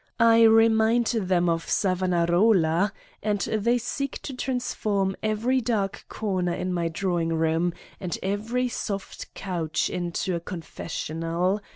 I remind them of Savaoiarola, and they seek to transform every dark corner my drawing room, and every soft couch into a confessional.